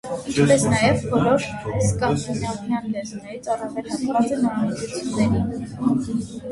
Ինչպես նաև բոլոր սկանդինավյան լեզուներից առավել հակված է նորամուծությունների։